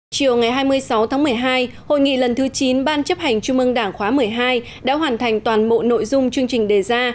chiều ngày hai mươi sáu tháng một mươi hai hội nghị lần thứ chín ban chấp hành trung ương đảng khóa một mươi hai đã hoàn thành toàn bộ nội dung chương trình đề ra